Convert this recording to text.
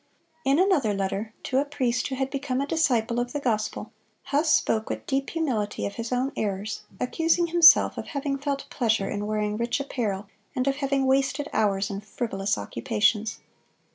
(134) In another letter, to a priest who had become a disciple of the gospel, Huss spoke with deep humility of his own errors, accusing himself "of having felt pleasure in wearing rich apparel, and of having wasted hours in frivolous occupations."